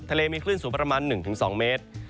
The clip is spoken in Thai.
ทะเลมีคลื่นสูงประมาณ๑๒เมตร